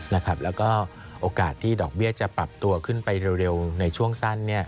แล้วก็โอกาสที่ดอกเบี้ยจะปรับตัวขึ้นไปเร็วในช่วงสั้น